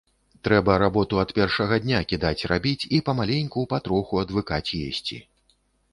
Трэба работу ад першага дня кідаць рабіць і памаленьку патроху адвыкаць есці.